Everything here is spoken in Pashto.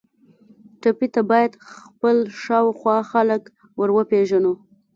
ټپي ته باید خپل شاوخوا خلک وروپیژنو.